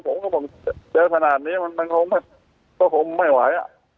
ผมก็ผมเจรภนาดนี้มันมันมันคงไม่คงไม่ไหวอ่ะ